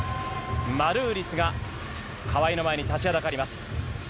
マルーリスが川井の前に立ちはだかります。